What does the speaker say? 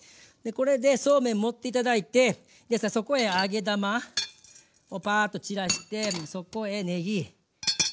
これでそうめん盛って頂いてそこへ揚げ玉をパーっと散らしてそこへねぎ。